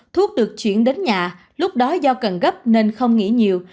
thuốc được chuyển đến nhà lúc đó do cần gấp nên không nghỉ nhiều